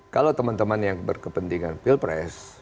kalau teman teman yang berkepentingan pilpres